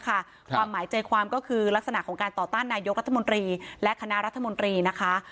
ความหมายใจความก็คือลักษณะของการต่อต้านนายกรัฐมนตรีและคณะรัฐมนตรีนะคะ